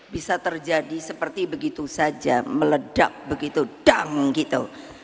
bisa terjadi seperti begitu saja meledak begitu dum gitu